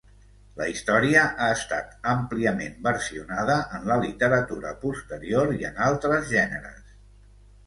La història ha estat àmpliament versionada en la literatura posterior i en altres gèneres.